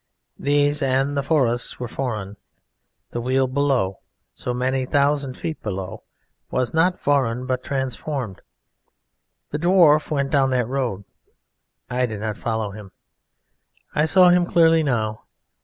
These and the forests were foreign; the Weald below, so many thousand feet below, was not foreign but transformed. The dwarf went down that road. I did not follow him. I saw him clearly now.